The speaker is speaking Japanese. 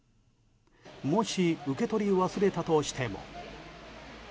もし、受け取り忘れたとしても。